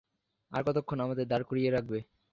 আর কতক্ষণ আমাদের দাঁড় করিয়ে রাখবে?